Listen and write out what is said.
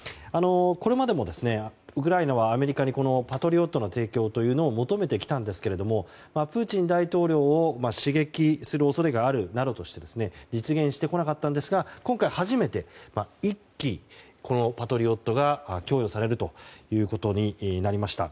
これまでもウクライナはアメリカにこのパトリオットの提供を求めてきたんですがプーチン大統領を刺激する恐れがあるなどとして実現してこなかったんですが今回初めて１基、このパトリオットが供与されることになりました。